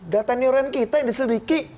data neuren kita yang diselidiki